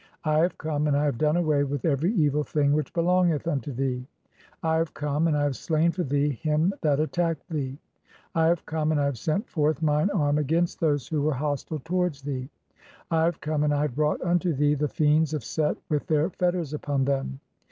(10) "I have come, and I have done away with every evil "thing which belongeth unto thee. (11) "I have come, and I have slain for thee him that at tacked thee. (12) "I have come, and I have sent forth mine arm against "those who were hostile towards thee. (i3) "I have come, and I have brought unto thee the fiends "of Set with their fetters upon them.